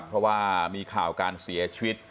เพราะว่ามีข่าวการเสียชีวิต